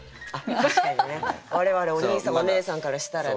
確かにね我々お兄さんお姉さんからしたらね。